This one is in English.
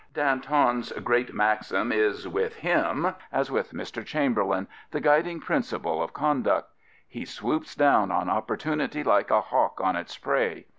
Danton's great maxim is with him, as with Mr. Chamberlain, the guiding principle of conduct. He swoops down on opportunity like a hawk on its prey.